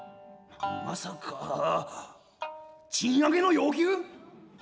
まさか賃上げの要求」。